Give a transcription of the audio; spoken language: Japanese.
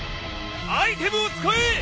アイテムを使え！